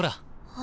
あ。